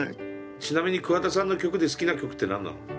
ちなみに桑田さんの曲で好きな曲って何なの？